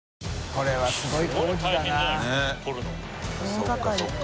そうかそうか。